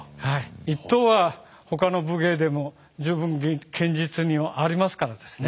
一刀はほかの武芸でも十分剣術にありますからですね